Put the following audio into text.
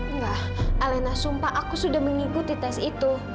enggak alena sumpah aku sudah mengikuti tes itu